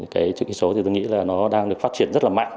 cái chữ ký số thì tôi nghĩ là nó đang được phát triển rất là mạnh